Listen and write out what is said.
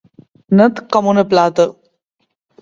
Net com una plata.